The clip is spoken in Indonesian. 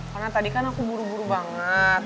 karena tadi kan aku buru buru banget